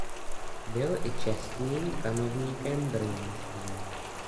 Byl i čestným kanovníkem brněnským.